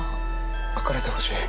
別れてほしい。